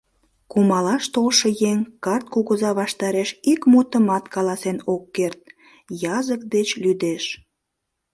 Кумалаш толшо еҥ карт кугыза ваштареш ик мутымат каласен ок керт, язык деч лӱдеш.